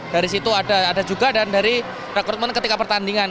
dari situ ada juga dan dari rekrutmen ketika pertandingan